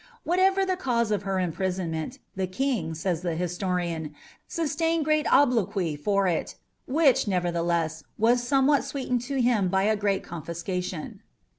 Whatever the cause of her imprisonment, the King, says the historian, sustained great obloquy for it, "which, nevertheless, was somewhat sweetened to him by a great confiscation."